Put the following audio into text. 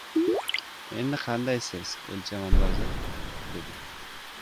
— Endi qandaysiz, el chavandozi? — dedi.